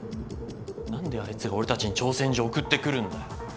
何であいつが俺たちに挑戦状送ってくるんだよ。